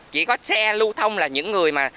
chỉ có xe lưu thông là những người